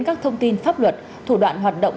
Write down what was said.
các thông tin pháp luật thủ đoạn hoạt động